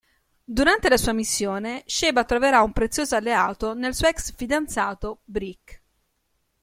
Durante la sua missione Sheba troverà un prezioso alleato nel suo ex fidanzato Brick.